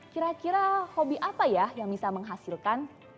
kira kira hobi apa ya yang bisa menghasilkan